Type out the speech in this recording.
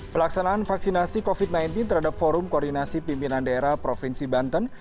pelaksanaan vaksinasi covid sembilan belas terhadap forum koordinasi pimpinan daerah provinsi banten